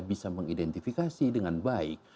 bisa mengidentifikasi dengan baik